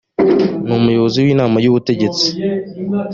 n umuyobozi w inama y ubutegetsi